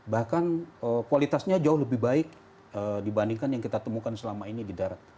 bahkan kualitasnya jauh lebih baik dibandingkan yang kita temukan selama ini di darat